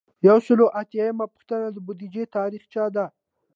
یو سل او اتیایمه پوښتنه د بودیجې تاریخچه ده.